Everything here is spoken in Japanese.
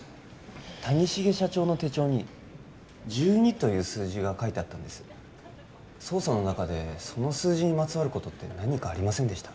谷繁社長の手帳に１２という数字が書いてあったんです捜査の中でその数字にまつわることありませんでした？